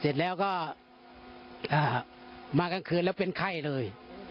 เสร็จแล้วก็มากลางคืนแล้วเป็นไข้เลย